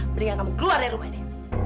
beri yang kamu keluarnya rumah ini